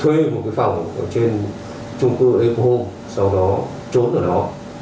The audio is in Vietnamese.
nơi một cái phòng ở trên chung cư ở đây của hồ sau đó trốn ở đó